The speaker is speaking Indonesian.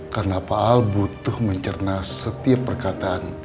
karena pak al butuh mencerna setiap perkataan